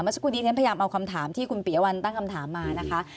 สักครู่นี้ฉันพยายามเอาคำถามที่คุณปียวัลตั้งคำถามมานะคะ